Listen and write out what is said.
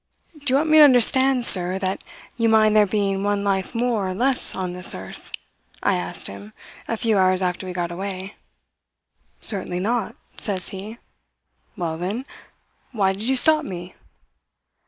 "'Do you want me to understand, sir, that you mind there being one life more or less on this earth?' I asked him, a few hours after we got away. "'Certainly not,' says he. "'Well, then, why did you stop me?'